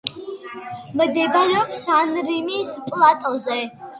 მდებარეობს ანტრიმის პლატოზე.